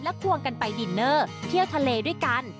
ควงกันไปดินเนอร์เที่ยวทะเลด้วยกัน